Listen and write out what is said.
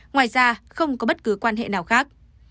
ngoài ra không có bất cứ quan hệ nào khác